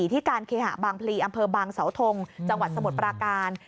ที่การเคหะบางพลีอำเภอบางเสาทงจังหวัดสมุทรปราการ